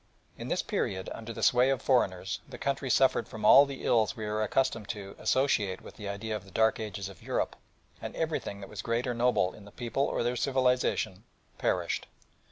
In this period, under the sway of foreigners, the country suffered from all the ills we are accustomed to associate with the idea of the dark ages of Europe, and everything that was great or noble in the people or their civilisation perished.